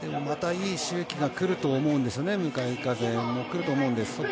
またいい周期が来ると思うんですね、向かい風も来ると思うんです。